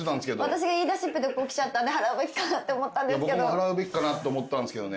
私が言い出しっぺでここ来ちゃったんで払うべきかなって思ったんですけど。